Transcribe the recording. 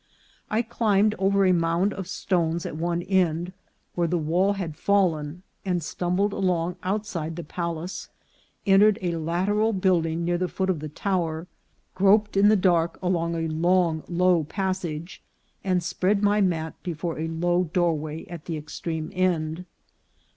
I climbed over a mound of stones at one end, where the wall had fallen, and, stumbling along outside the palace, entered a lateral building near the foot of the tower, groped in the dark along a low damp passage, and spread my mat before a low doorway at the extreme end.